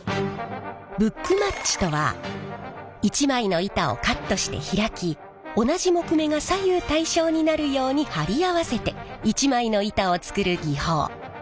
ブックマッチとは一枚の板をカットして開き同じ木目が左右対称になるように貼り合わせて一枚の板を作る技法。